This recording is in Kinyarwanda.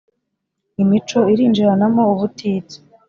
imico irinjiranamo ubutitsa